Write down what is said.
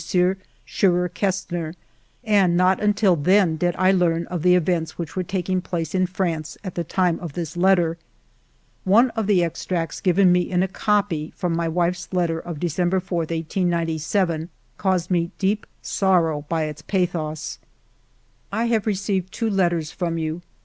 Scheurer Kestner, and not until then did I learn of the events which were taking place in France at the time of this letter. One of the extracts given me in a copy from my wife's letter of December 4, 1897, caused me deep sorrow by its pathos :— 268 FIVE YEARS OF MY LIFE " I have received two letters from you.